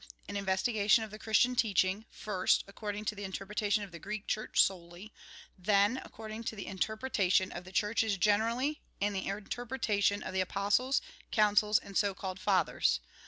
An investigation of the Christian teaching — first, according to the interpretation of tlie Greek Church solely ; then, according to the interpreta tion of the Churches generally, and the interpreta tion of the apostles, councils, and so called " fathers."